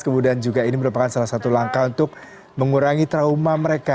kemudian juga ini merupakan salah satu langkah untuk mengurangi trauma mereka